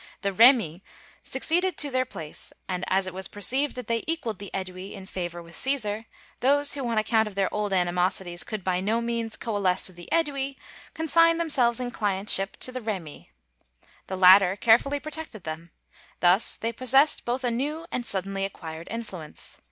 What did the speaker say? The Remi succeeded to their place, and as it was perceived that they equaled the Ædui in favor with Cæsar, those who on account of their old animosities could by no means coalesce with the Ædui, consigned themselves in clientship to the Remi. The latter carefully protected them. Thus they possessed both a new and suddenly acquired influence.